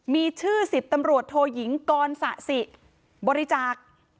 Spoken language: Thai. มีชื่อ๑๐ตำรวจโทยิงกรสะสิบริจาค